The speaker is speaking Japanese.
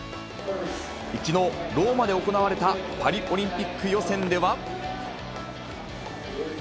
きのう、ローマで行われたパリオリンピック予選では。